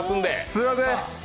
すいません。